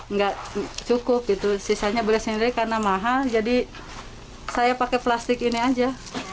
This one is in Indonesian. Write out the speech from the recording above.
nggak cukup gitu sisanya beli sendiri karena mahal jadi saya pakai plastik ini aja